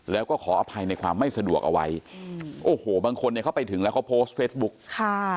แล้วก็ขออภัยในความไม่สะดวกอวัยโอ้โหบางคนเนี่ยเขาไปถึงแล้วโพสต์เฟสบุ็ค